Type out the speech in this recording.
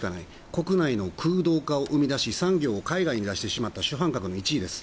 国内の空洞化を生み出し産業を海外に出してしまった主犯格の１位です。